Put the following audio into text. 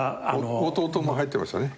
弟も入ってましたね。